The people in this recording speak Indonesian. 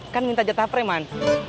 kan minta jatah freman